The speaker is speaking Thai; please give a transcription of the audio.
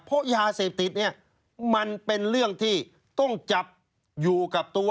เพราะยาเสพติดเนี่ยมันเป็นเรื่องที่ต้องจับอยู่กับตัว